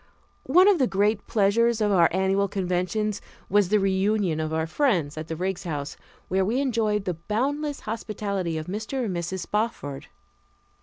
One of the great pleasures of our annual conventions was the reunion of our friends at the Riggs House, where we enjoyed the boundless hospitality of Mr. and Mrs. Spofford.